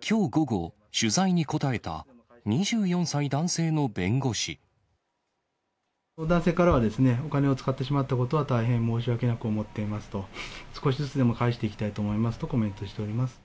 きょう午後、男性からは、お金を使ってしまったことは大変申し訳なく思っていますと、少しずつでも返していきたいとコメントしております。